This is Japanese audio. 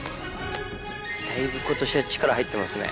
だいぶ今年は力入ってますね。